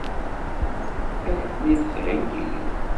Ad k-ten-id-theggi?